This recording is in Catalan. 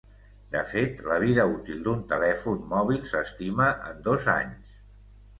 De fet, la vida útil d'un telèfon mòbil s'estima en dos anys.